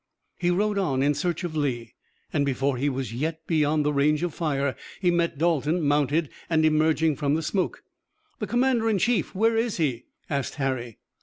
He rode on in search of Lee and before he was yet beyond the range of fire he met Dalton, mounted and emerging from the smoke. "The commander in chief, where is he?" asked Harry.